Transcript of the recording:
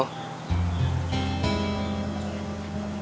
kau memiliki ayah yang begitu baik